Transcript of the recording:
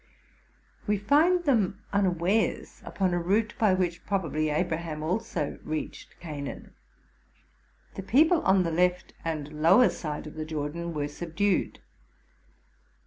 We find them unawares upon a route by which, probably, Abraham also reached Canaan. The people on the left and lower side of the Jordan were subdued.